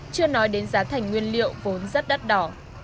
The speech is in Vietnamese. chưa nói đến giá thành nguyên liệu vốn rất đắt đỏ